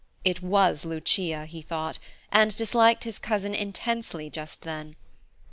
It was Lucia, he thought, and disliked his cousin intensely just then.